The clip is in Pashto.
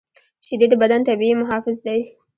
شیدې د بدن طبیعي محافظ دي